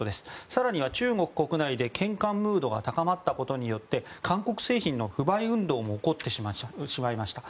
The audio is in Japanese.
更には中国国内で嫌韓ムードが高まったことによって韓国製品の不買運動も起こってしまいました。